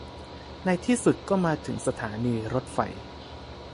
ในที่สุดก็มาถึงสถานีรถไฟ